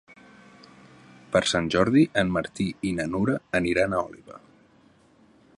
Per Sant Jordi en Martí i na Nura aniran a Oliva.